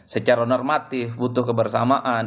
secara normatif butuh kebersamaan